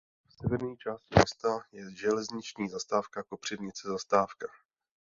V severní části města je železniční zastávka Kopřivnice zastávka.